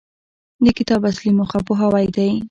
د کتاب اصلي موخه پوهاوی دی.